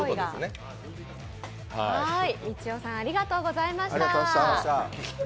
みちおさん、ありがとうございました。